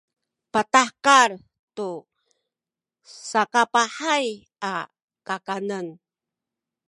patahekal tu sakapahay a kakanen